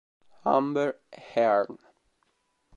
Amber Hearn